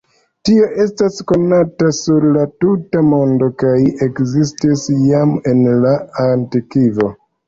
Tio estas konata sur la tuta mondo kaj ekzistis jam en la antikvo.